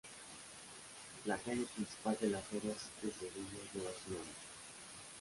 La calle principal de la Feria de Sevilla lleva su nombre.